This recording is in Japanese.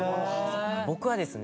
僕はですね